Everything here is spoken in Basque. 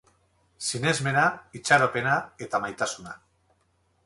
Sinesmena, itxaropena eta maitasuna.